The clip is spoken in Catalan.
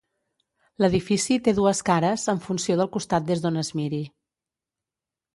L'edifici té dues cares, en funció del costat des d'on es miri.